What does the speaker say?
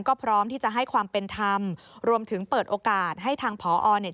ก็พร้อมที่จะให้ความเป็นธรรมรวมถึงเปิดโอกาสให้ทางผอเนี่ย